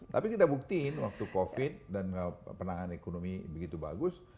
tapi kita buktiin waktu covid dan penanganan ekonomi begitu bagus